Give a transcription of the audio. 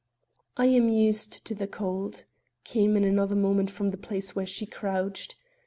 "I am used to the cold," came in another moment from the place where she crouched.